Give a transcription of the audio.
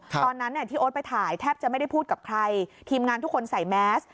ตอนนั้นที่โอ๊ตไปถ่ายแทบจะไม่ได้พูดกับใครทีมงานทุกคนใส่แมส